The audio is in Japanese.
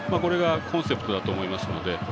これがコンセプトだと思います。